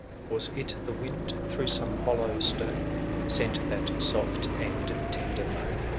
475 Was it the wind, through some hollow stone ^, Sent that soft and tender moan